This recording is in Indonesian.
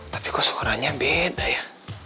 tapi kok seukurannya beda ya